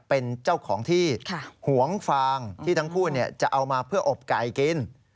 เป็นเจ้าของที่หวงฟางที่ทั้งคู่จะเอามาเพื่ออบไก่กิน